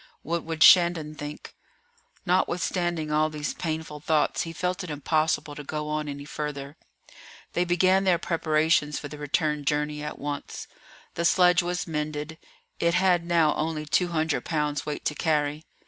What would Shandon think? Notwithstanding all these painful thoughts, he felt it impossible to go on any further. They began their preparations for the return journey at once. The sledge was mended; it had now only two hundred pounds weight to carry.